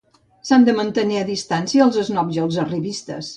S'ha de mantenir a distància els esnobs i els arribistes.